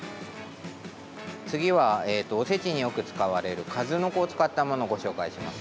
次は、おせちによく使われるかずのこを使ったものをご紹介します。